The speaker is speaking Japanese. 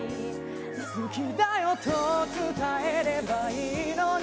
「好きだよ」と伝えればいいのに